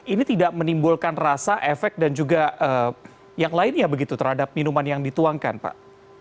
ini tidak menimbulkan rasa efek dan juga yang lainnya begitu terhadap minuman yang dituangkan pak